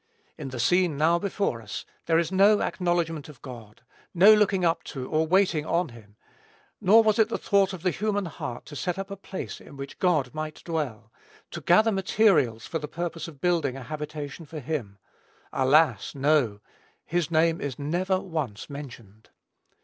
In the scene now before us, there is no acknowledgment of God, no looking up to, or waiting on, him; nor was it the thought of the human heart to set up a place in which God might dwell, to gather materials for the purpose of building a habitation for him, alas! no; his name is never once mentioned.